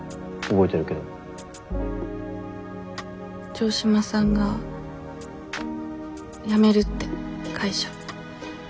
城島さんが辞めるって会社。